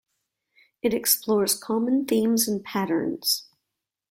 It explores common themes and patterns.